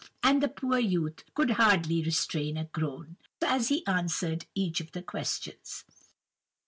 And the poor youth could hardly restrain a groan, as he answered each of the questions.